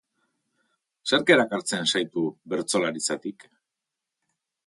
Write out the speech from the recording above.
Zerk erakartzen zaitu bertsolaritzatik?